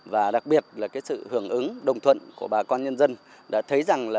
và đặc biệt là cái sự hưởng ứng đồng thuận của bà con nhân dân đã thấy rằng là